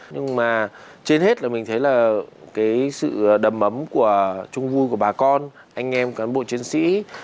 nhưng mà trên hết là mình thấy là cái sự đầm ấm của trung vui của bà con anh em cán bộ chiến sĩ